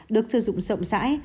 được sử dụng rộng rãi